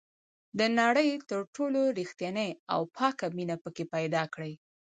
د نړۍ تر ټولو ریښتینې او پاکه مینه پکې پیدا کړئ.